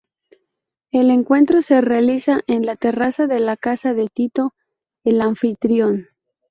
El encuentro se realiza en la terraza de la casa de Tito, el anfitrión.